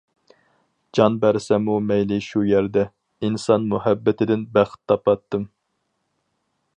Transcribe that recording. جان بەرسەممۇ مەيلى شۇ يەردە، ئىنسان مۇھەببىتىدىن بەخت تاپاتتىم.